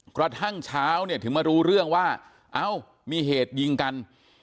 กระทั่งเช้าเนี่ยถึงมารู้เรื่องว่าเอ้ามีเหตุยิงกัน